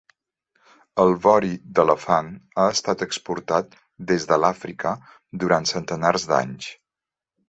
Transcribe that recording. El vori d'elefant ha estat exportat des de l'Àfrica durant centenars d'anys.